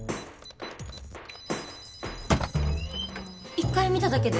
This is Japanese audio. １回見ただけで？